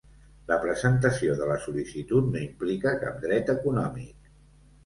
La presentació de la sol·licitud no implica cap dret econòmic.